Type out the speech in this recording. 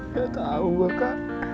ya tahu baka